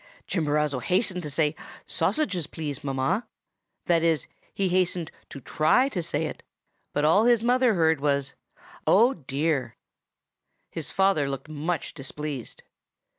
"Chimborazo hastened to say, 'Sausages, please, mamma,'—that is, he hastened to try to say it; but all his mother heard was, 'Oh, dear!' "His father looked much displeased.